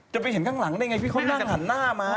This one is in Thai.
ไปเห็นข้างหลังได้ไงพี่เขานั่งกันหันหน้ามา